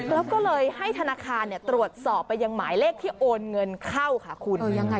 แล้วก็เลยให้ธนาคารตรวจสอบไปยังหมายเลขที่โอนเงินเข้าค่ะคุณ